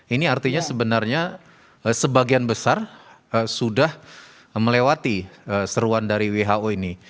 ini artinya sebenarnya sebagian besar sudah melewati seruan dari who ini